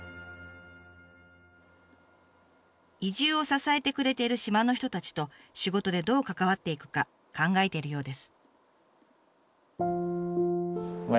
移住を支えてくれている島の人たちと仕事でどう関わっていくか考えてるようです。